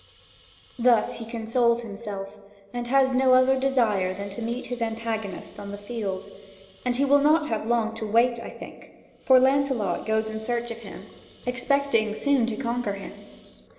Thus he consoles himself, and has no other desire than to meet his antagonist on the field. And he will not have long to wait, I think, for Lancelot goes in search of him, expecting soon to conquer him.